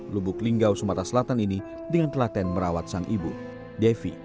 lubuk linggau sumatera selatan ini dengan telaten merawat sang ibu devi